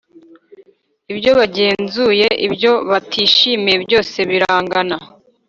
ibyo bagenzuye ibyo batishimiye byose birangana